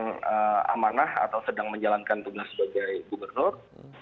yang amanah atau sedang menjalankan tugas sebagai gubernur